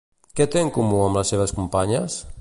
Què té en comú amb les seves companyes?